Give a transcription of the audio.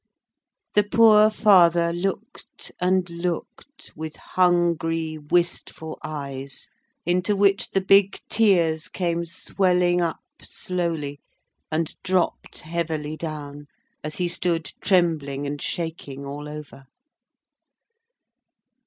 The poor father looked and looked with hungry, wistful eyes, into which the big tears came swelling up slowly, and dropped heavily down, as he stood trembling and shaking all over.